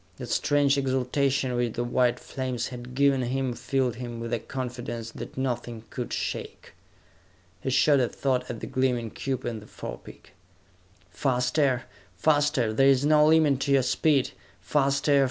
That strange exaltation which the white flames had given him filled him with a confidence that nothing could shake. He shot a thought at the gleaming cube in the forepeak. "Faster! Faster! There is no limit to your speed! Faster!